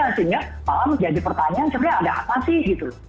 tapi harusnya kalau menjadi pertanyaan sebenarnya ada apa sih gitu